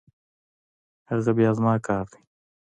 اگه بيا زما کار دی.